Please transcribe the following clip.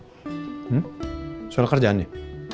hmm soal kerjaan ya